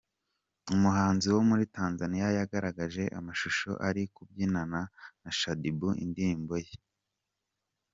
Umuhanzi wo muri Tanzaniya yagaragaje amashusho ari kubyinana na Shaddyboo indirimbo ye.